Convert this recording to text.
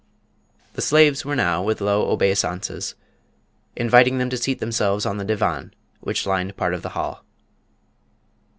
The slaves were now, with low obeisances, inviting them to seat themselves on the divan which lined part of the hall.